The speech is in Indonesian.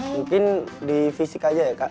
mungkin di fisik aja ya kak